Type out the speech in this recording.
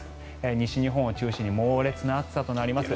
西日本を中心に猛烈な暑さとなります。